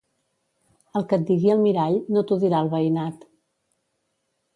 El que et digui el mirall, no t'ho dirà el veïnat.